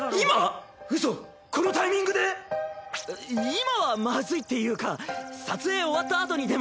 今はまずいっていうか撮影終わったあとにでも。